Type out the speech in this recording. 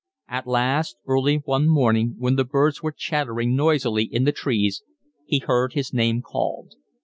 At last, early one morning, when the birds were chattering noisily in the trees, he heard his name called.